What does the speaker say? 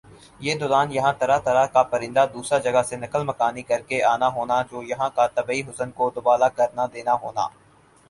یِہ دوران یَہاں طرح طرح کا پرندہ دُوسْرا جگہ سے نقل مکانی کرکہ آنا ہونا جو یَہاں کا طبعی حسن کو دوبالا کرنا دینا ہونا